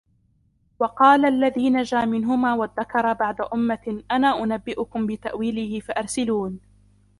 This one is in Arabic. وقال الذي نجا منهما وادكر بعد أمة أنا أنبئكم بتأويله فأرسلون